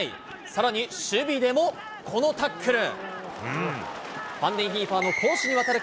さらに守備でもこのタックル。